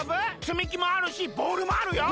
つみきもあるしボールもあるよ！